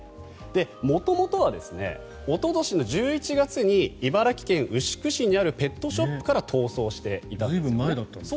元々はおととしの１１月に茨城県牛久市にあるペットショップから随分前なんですね。